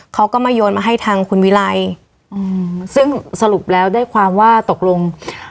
เขาก็มาโยนมาให้ทางคุณวิไลอืมซึ่งสรุปแล้วได้ความว่าตกลง